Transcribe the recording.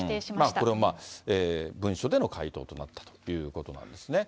これも文書での回答となったということなんですね。